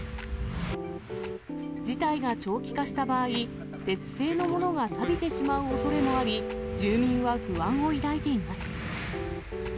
事態が長期化した場合、鉄製のものがさびてしまうおそれもあり、住民は不安を抱いています。